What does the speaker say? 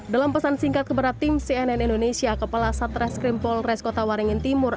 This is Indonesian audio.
dalam pesan singkat kepada tim cnn indonesia kepala satreskrim polres kota waringin timur